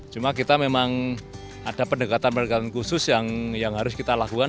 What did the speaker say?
cuma kita memang ada pendekatan pendekatan khusus yang harus kita lakukan